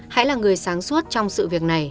hãy là người sáng suốt trong sự việc này